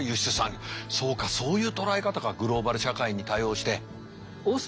そうかそういう捉え方がグローバル社会に対応して。